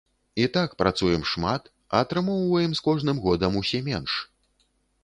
І так працуем шмат, а атрымоўваем з кожным годам усе менш.